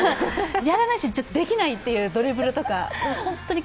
やらないし、できないというドリブルとか。